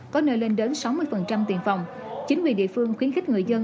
có nơi lên đến sáu mươi tiền phòng chính quyền địa phương khuyến khích người dân